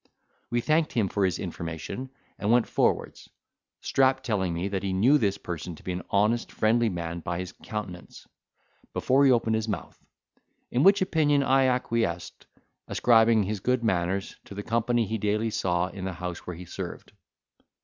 We thanked him for his information, and went forwards, Strap telling me, that he knew this person to be an honest friendly man by his countenance, before he opened his mouth; in which opinion I acquiesced, ascribing his good manners to the company he daily saw in the house where he served.